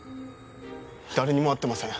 誰にも会ってません。